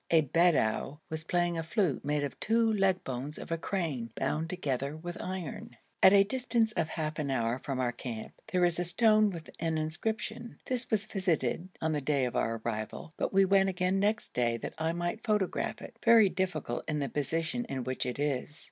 A Bedou was playing a flute made of two leg bones of a crane bound together with iron. At a distance of half an hour from our camp there is a stone with an inscription. This was visited on the day of our arrival, but we went again next day that I might photograph it, very difficult in the position in which it is.